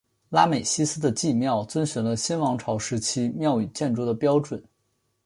拉美西斯的祭庙遵循了新王朝时期庙与建筑的标准。